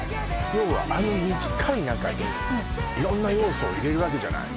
要はあの短い中に色んな要素を入れるわけじゃない？